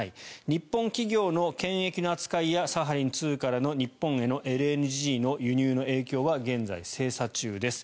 日本企業の権益の扱いやサハリン２からの日本へのＬＮＧの輸入の影響は現在、精査中です。